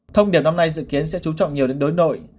thông điệp năm nay dự kiến sẽ chú trọng nhiều đến đối nội